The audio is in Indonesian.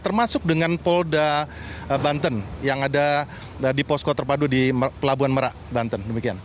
termasuk dengan polda banten yang ada di posko terpadu di pelabuhan merak banten